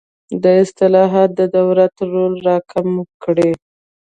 دا اصلاحات د دولت رول راکم کړي.